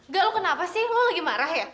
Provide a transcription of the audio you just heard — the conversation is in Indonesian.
gak lu kenapa sih lo lagi marah ya